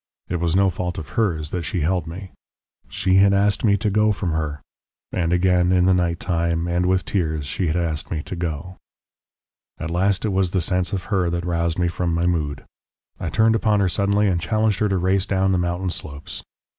It was no fault of hers that she held me. She had asked me to go from her, and again in the night time and with tears she had asked me to go. "At last it was the sense of her that roused me from my mood. I turned upon her suddenly and challenged her to race down the mountain slopes.